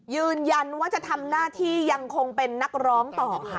ยืนยันว่าจะทำหน้าที่ยังคงเป็นนักร้องต่อค่ะ